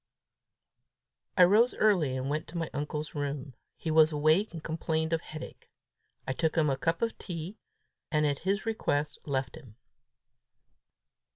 I rose early, and went to my uncle's room. He was awake, but complained of headache. I took him a cup of tea, and at his request left him.